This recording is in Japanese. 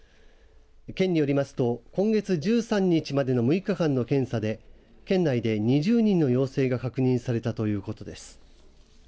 県によりますと今月１３日までの６日間の検査で県内で２０人の陽性が確認されたということです。